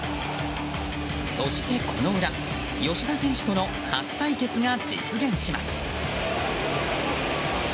そしてこの裏吉田選手との初対決が実現します。